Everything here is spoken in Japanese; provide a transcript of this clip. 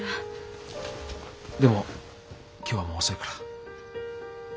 でも今日はもう遅いから。